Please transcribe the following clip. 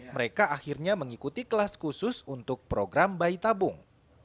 mereka akhirnya mengikuti kelas khusus untuk program bayi tabung